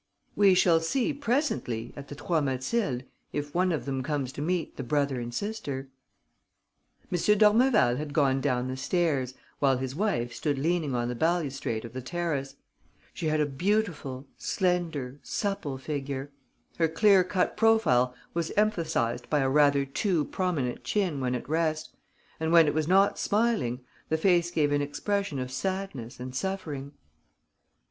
"We shall see presently, at the Trois Mathildes, if one of them comes to meet the brother and sister." M. d'Ormeval had gone down the stairs, while his wife stood leaning on the balustrade of the terrace. She had a beautiful, slender, supple figure. Her clear cut profile was emphasized by a rather too prominent chin when at rest; and, when it was not smiling, the face gave an expression of sadness and suffering.